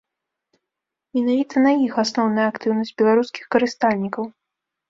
Менавіта на іх асноўная актыўнасць беларускіх карыстальнікаў.